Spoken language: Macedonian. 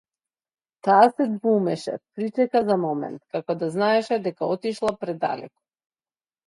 Таа се двоумеше, причека за момент, како да знаеше дека отишла предалеку.